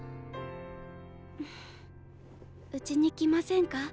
フフッうちに来ませんか？